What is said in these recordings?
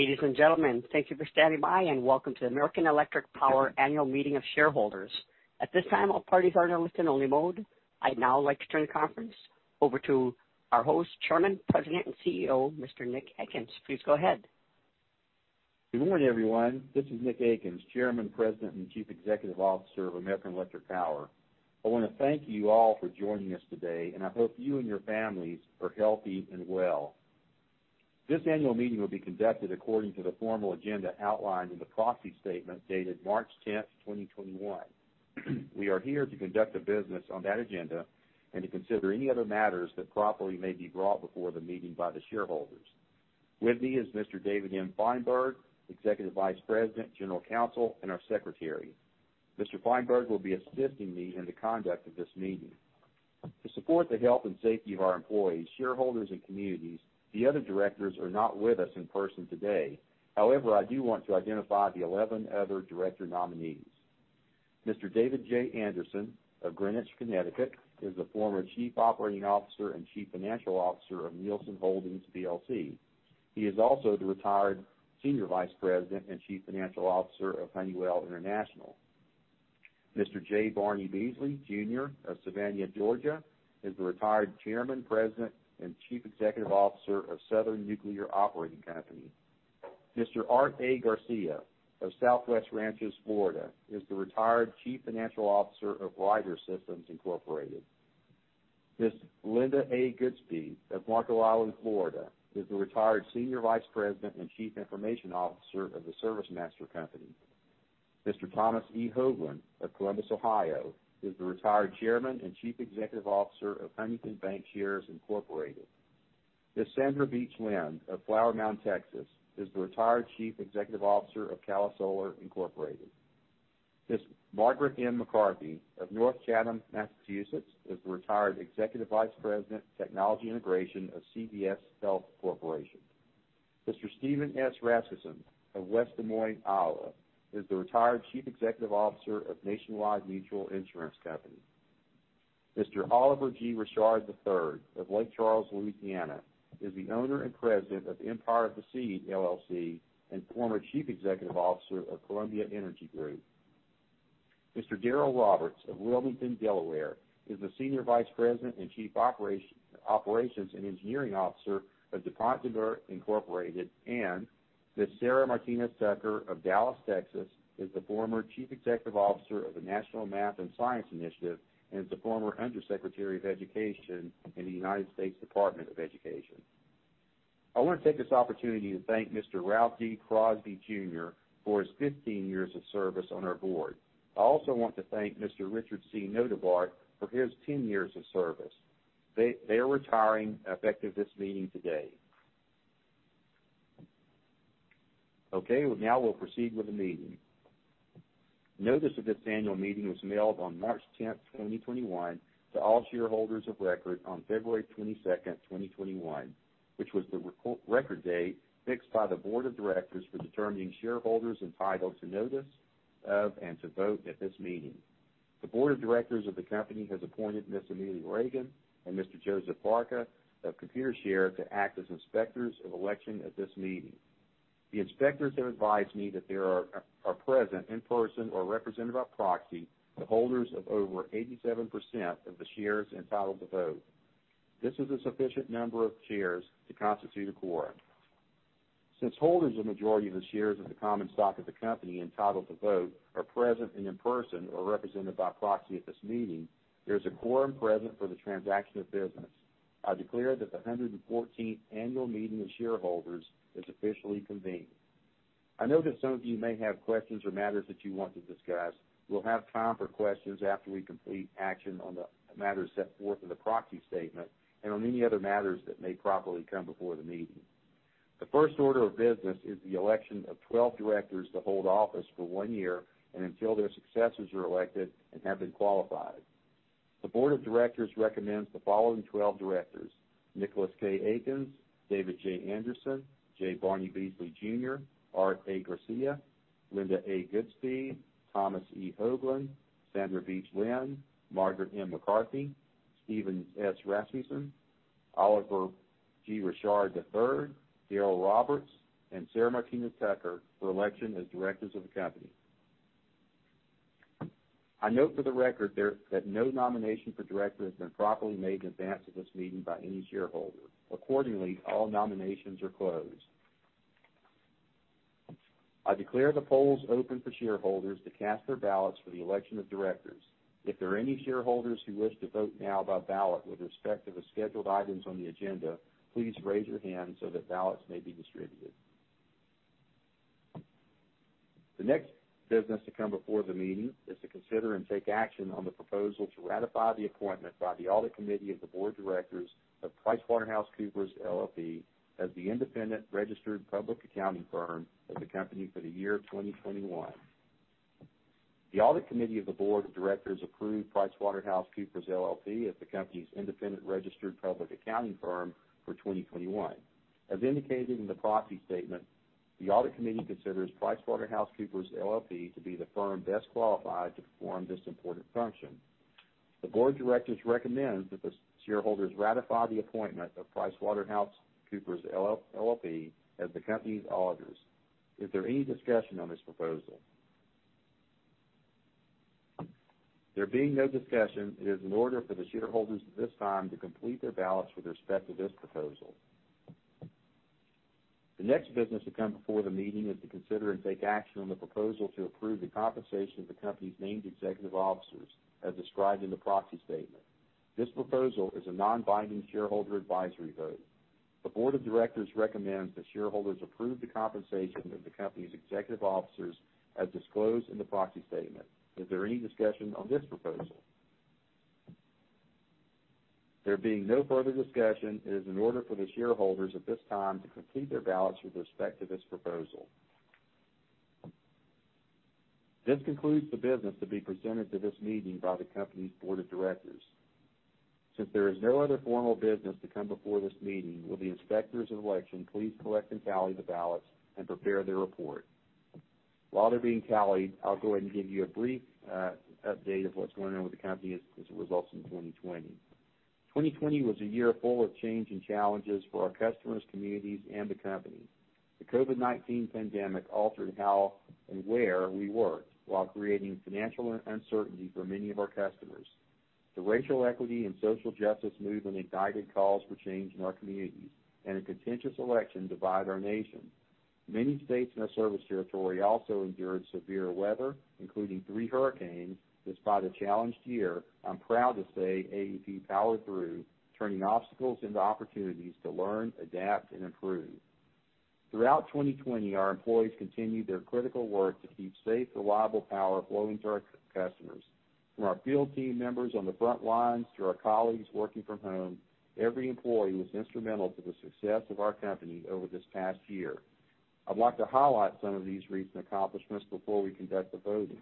Ladies and gentlemen, thank you for standing by, and welcome to the American Electric Power Annual Meeting of Shareholders. At this time all participants are on listen only mode. I'd now like to turn the conference over to our host, Chairman, President, and CEO, Mr. Nick Akins. Please go ahead. Good morning, everyone. This is Nick Akins, Chairman, President, and Chief Executive Officer of American Electric Power. I want to thank you all for joining us today, and I hope you and your families are healthy and well. This annual meeting will be conducted according to the formal agenda outlined in the proxy statement dated March 10th, 2021. We are here to conduct the business on that agenda and to consider any other matters that properly may be brought before the meeting by the shareholders. With me is Mr. David M. Feinberg, Executive Vice President, General Counsel, and our Secretary. Mr. Feinberg will be assisting me in the conduct of this meeting. To support the health and safety of our employees, shareholders, and communities, the other directors are not with us in person today. However, I do want to identify the 11 other director nominees. Mr. David J. Anderson of Greenwich, Connecticut, is the former Chief Operating Officer and Chief Financial Officer of Nielsen Holdings plc. He is also the retired Senior Vice President and Chief Financial Officer of Honeywell International. Mr. J. Barnie Beasley Jr. of Savannah, Georgia, is the retired Chairman, President, and Chief Executive Officer of Southern Nuclear Operating Company. Mr. Art A. Garcia of Southwest Ranches, Florida, is the retired Chief Financial Officer of Ryder System Incorporated. Ms. Linda A. Goodspeed of Marco Island, Florida, is the retired Senior Vice President and Chief Information Officer of The ServiceMaster Company. Mr. Thomas E. Hoaglin of Columbus, Ohio, is the retired Chairman and Chief Executive Officer of Huntington Bancshares Incorporated. Ms. Sandra Beach Lin of Flower Mound, Texas, is the retired Chief Executive Officer of Calisolar Incorporated. Ms. Margaret M. McCarthy of North Chatham, Massachusetts, is the retired Executive Vice President, Technology Integration of CVS Health Corporation. Mr. Stephen S. Rasmussen of West Des Moines, Iowa, is the retired Chief Executive Officer of Nationwide Mutual Insurance Company. Mr. Oliver G. Richard III of Lake Charles, Louisiana, is the owner and President of Empire of the Seed, LLC, and former Chief Executive Officer of Columbia Energy Group. Mr. Daryl Roberts of Wilmington, Delaware, is the Senior Vice President and Chief Operations and Engineering Officer of DuPont de Nemours Incorporated. Ms. Sara Martinez Tucker of Dallas, Texas, is the former Chief Executive Officer of the National Math and Science Initiative and is a former Undersecretary of Education in the United States Department of Education. I want to take this opportunity to thank Mr. Ralph D. Crosby Jr. for his 15 years of service on our board. I also want to thank Mr. Richard C. Notebaert for his 10 years of service. They are retiring effective this meeting today. Okay. Now we'll proceed with the meeting. Notice of this annual meeting was mailed on March 10th, 2021, to all shareholders of record on February 22nd, 2021, which was the record date fixed by the board of directors for determining shareholders entitled to notice of and to vote at this meeting. The board of directors of the company has appointed Ms. Amelia Regan and Mr. Joseph Parker of Computershare to act as inspectors of election at this meeting. The inspectors have advised me that there are present, in person or represented by proxy, the holders of over 87% of the shares entitled to vote. This is a sufficient number of shares to constitute a quorum. Since holders of majority of the shares of the common stock of the company entitled to vote are present and in person or represented by proxy at this meeting, there is a quorum present for the transaction of business. I declare that the 114th annual meeting of shareholders is officially convened. I know that some of you may have questions or matters that you want to discuss. We'll have time for questions after we complete action on the matters set forth in the proxy statement and on any other matters that may properly come before the meeting. The first order of business is the election of 12 directors to hold office for one year and until their successors are elected and have been qualified. The board of directors recommends the following 12 directors: Nicholas K. Akins, David J. Anderson, J. Barnie Beasley Jr., Art A. Garcia, Linda A. Goodspeed, Thomas E. Hoaglin, Sandra Beach Lin, Margaret M. McCarthy, Stephen S. Rasmussen, Oliver G. Richard III, Daryl Roberts, and Sara Martinez Tucker for election as directors of the company. I note for the record that no nomination for director has been properly made in advance of this meeting by any shareholder. Accordingly, all nominations are closed. I declare the polls open for shareholders to cast their ballots for the election of directors. If there are any shareholders who wish to vote now by ballot with respect to the scheduled items on the agenda, please raise your hand so that ballots may be distributed. The next business to come before the meeting is to consider and take action on the proposal to ratify the appointment by the Audit Committee of the Board of Directors of PricewaterhouseCoopers LLP as the independent registered public accounting firm of the company for the year 2021. The Audit Committee of the Board of Directors approved PricewaterhouseCoopers LLP as the company's independent registered public accounting firm for 2021. As indicated in the proxy statement, the Audit Committee considers PricewaterhouseCoopers LLP to be the firm best qualified to perform this important function. The Board of Directors recommends that the shareholders ratify the appointment of PricewaterhouseCoopers LLP as the company's auditors. Is there any discussion on this proposal? There being no discussion, it is in order for the shareholders at this time to complete their ballots with respect to this proposal. The next business to come before the meeting is to consider and take action on the proposal to approve the compensation of the company's named executive officers as described in the proxy statement. This proposal is a non-binding shareholder advisory vote. The board of directors recommends that shareholders approve the compensation of the company's executive officers as disclosed in the proxy statement. Is there any discussion on this proposal? There being no further discussion, it is in order for the shareholders at this time to complete their ballots with respect to this proposal. This concludes the business to be presented to this meeting by the company's board of directors. Since there is no other formal business to come before this meeting, will the inspectors of election please collect and tally the ballots and prepare their report. While they're being tallied, I'll go ahead and give you a brief update of what's going on with the company as it results in 2020. 2020 was a year full of change and challenges for our customers, communities, and the company. The COVID-19 pandemic altered how and where we worked while creating financial uncertainty for many of our customers. The racial equity and social justice movement ignited calls for change in our communities and a contentious election divide our nation. Many states in our service territory also endured severe weather, including three hurricanes. Despite a challenged year, I'm proud to say AEP powered through, turning obstacles into opportunities to learn, adapt and improve. Throughout 2020, our employees continued their critical work to keep safe, reliable power flowing to our customers. From our field team members on the front lines to our colleagues working from home, every employee was instrumental to the success of our company over this past year. I'd like to highlight some of these recent accomplishments before we conduct the voting.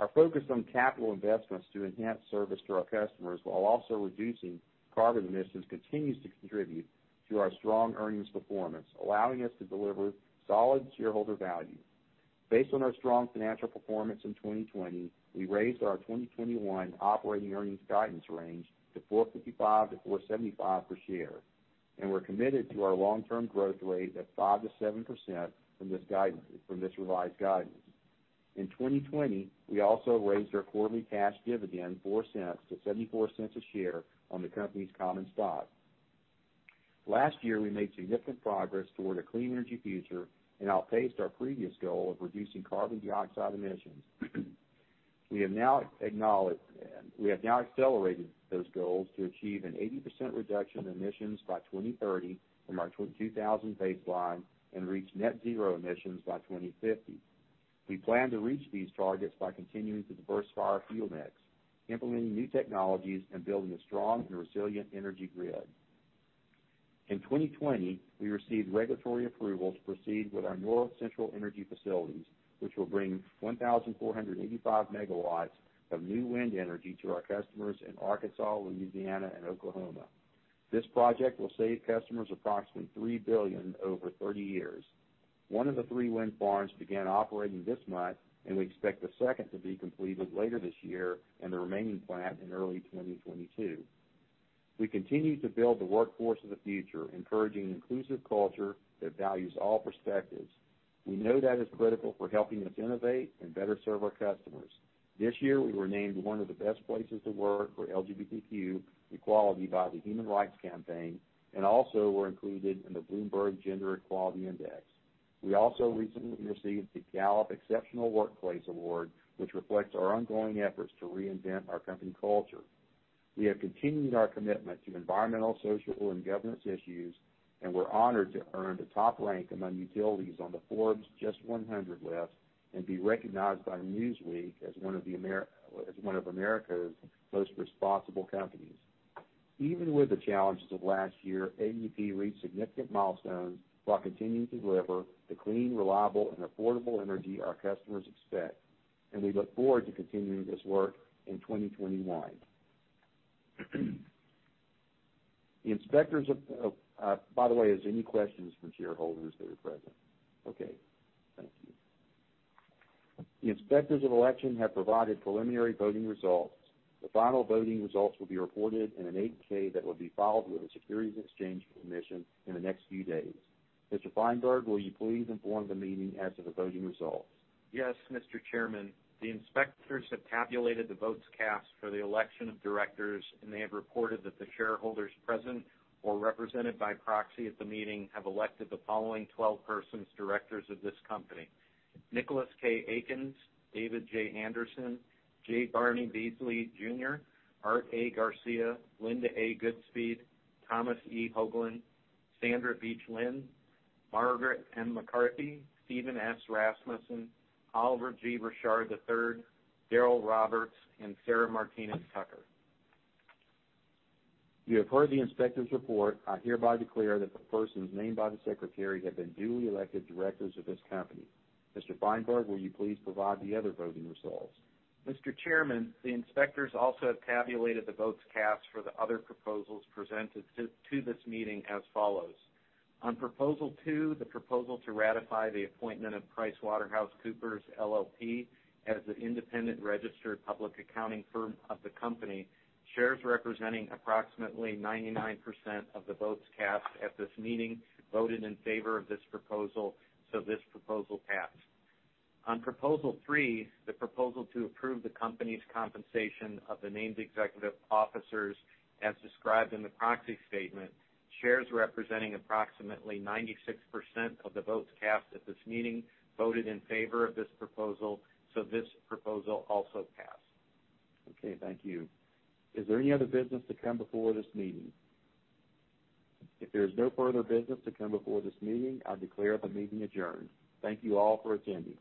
Our focus on capital investments to enhance service to our customers while also reducing carbon emissions, continues to contribute to our strong earnings performance, allowing us to deliver solid shareholder value. Based on our strong financial performance in 2020, we raised our 2021 operating earnings guidance range to $4.55 to $4.75 per share. We're committed to our long-term growth rate of 5% to 7% from this revised guidance. In 2020, we also raised our quarterly cash dividend $0.04 to $0.74 a share on the company's common stock. Last year, we made significant progress toward a clean energy future and outpaced our previous goal of reducing carbon dioxide emissions. We have now accelerated those goals to achieve an 80% reduction in emissions by 2030 from our 2000 baseline and reach net zero emissions by 2050. We plan to reach these targets by continuing to diversify our fuel mix, implementing new technologies, and building a strong and resilient energy grid. In 2020, we received regulatory approval to proceed with our North Central Energy Facilities, which will bring 1,485 megawatts of new wind energy to our customers in Arkansas, Louisiana and Oklahoma. This project will save customers approximately $3 billion over 30 years. One of the three wind farms began operating this month, and we expect the second to be completed later this year and the remaining plant in early 2022. We continue to build the workforce of the future, encouraging an inclusive culture that values all perspectives. We know that is critical for helping us innovate and better serve our customers. This year we were named one of the best places to work for LGBTQ equality by the Human Rights Campaign and also were included in the Bloomberg Gender-Equality Index. We also recently received the Gallup Exceptional Workplace Award, which reflects our ongoing efforts to reinvent our company culture. We have continued our commitment to environmental, social and governance issues, and we're honored to earn the top rank among utilities on the Forbes JUST 100 list and be recognized by Newsweek as one of America's most responsible companies. Even with the challenges of last year, AEP reached significant milestones while continuing to deliver the clean, reliable and affordable energy our customers expect. We look forward to continuing this work in 2021. By the way, is there any questions from shareholders that are present? Okay. Thank you. The inspectors of election have provided preliminary voting results. The final voting results will be reported in an 8-K that will be filed with the Securities and Exchange Commission in the next few days. Mr. Feinberg, will you please inform the meeting as to the voting results? Yes, Mr. Chairman. The inspectors have tabulated the votes cast for the election of directors, and they have reported that the shareholders present or represented by proxy at the meeting, have elected the following 12 persons directors of this company. Nicholas K. Akins, David J. Anderson, J. Barnie Beasley Jr., Art A. Garcia, Linda A. Goodspeed, Thomas E. Hoaglin, Sandra Beach Lin, Margaret M. McCarthy, Stephen S. Rasmussen, Oliver G. Richard III, Daryl Roberts and Sara Martinez Tucker. You have heard the inspector's report. I hereby declare that the persons named by the secretary have been duly elected directors of this company. Mr. Feinberg, will you please provide the other voting results? Mr. Chairman, the inspectors also have tabulated the votes cast for the other proposals presented to this meeting as follows. On proposal two, the proposal to ratify the appointment of PricewaterhouseCoopers LLP as the independent registered public accounting firm of the company, shares representing approximately 99% of the votes cast at this meeting voted in favor of this proposal. This proposal passed. On proposal three, the proposal to approve the company's compensation of the named executive officers as described in the proxy statement, shares representing approximately 96% of the votes cast at this meeting voted in favor of this proposal. This proposal also passed. Okay, thank you. Is there any other business to come before this meeting? If there is no further business to come before this meeting, I declare the meeting adjourned. Thank you all for attending.